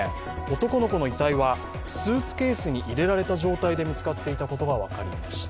男の子の遺体はスーツケースに入れられた状態で見つかっていたことが分かりました。